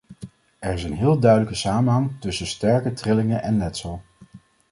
Er is een heel duidelijke samenhang tussen sterke trillingen en letsel.